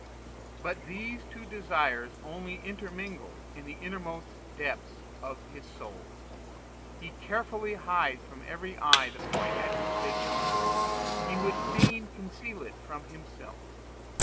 But these two desires only intermingle in the innermost depths of his soul: he carefully hides from every eye the point at which they join; he would fain conceal it from himself.